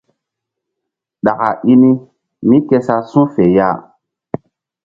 Ɗaka i ni mí ke sa su̧ fe ya.